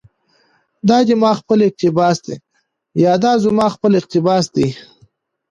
دا دي ما خپل اقتباس ده، يا دا زما خپل اقتباس دى